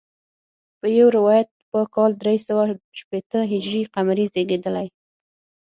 په یو روایت په کال درې سوه شپېته هجري قمري زیږېدلی.